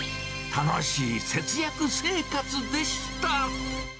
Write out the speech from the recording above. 楽しい節約生活でした。